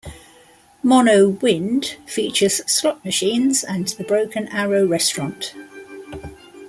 Mono Wind features slot machines and the Broken Arrow Restaurant.